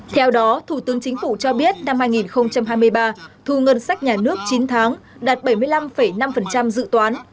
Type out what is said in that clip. theo đó thủ tướng chính phủ cho biết năm hai nghìn hai mươi ba thu ngân sách nhà nước chín tháng đạt bảy mươi năm năm dự toán